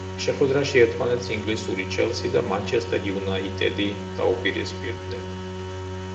შეხვედრაში ერთმანეთს ინგლისური ჩელსი და მანჩესტერ იუნაიტედი დაუპირისპირდნენ.